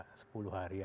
enggak sepuluh harian